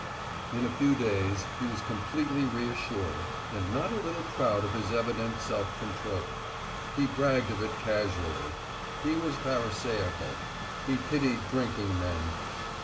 In a few days he was completely reassured, and not a little proud of his evident self control. He bragged of it casually. He was Pharisaical. He pitied drinking men.